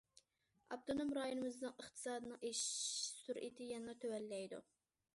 ئاپتونوم رايونىمىزنىڭ ئىقتىسادىنىڭ ئېشىش سۈرئىتى يەنىلا تۆۋەنلەيدۇ.